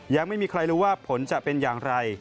ยังไม่มีใครรู้ว่าผลจะเป็นอย่างไร